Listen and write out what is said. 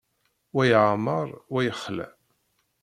Wa yeεmer, wa yexla.